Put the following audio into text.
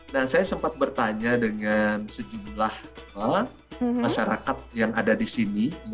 nah saya sempat bertanya dengan sejumlah masyarakat yang ada di sini